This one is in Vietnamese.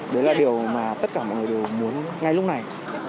đấy là điều mà tất cả mọi người đều muốn ngay lúc này